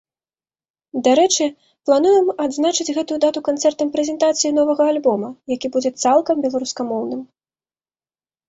Дарэчы, плануем адзначаць гэтую дату канцэртам-прэзентацыяй новага альбома, які будзе цалкам беларускамоўным.